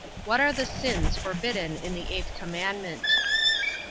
What are the sins forbidden in the eighth commandment?